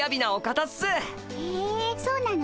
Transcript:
へえそうなの？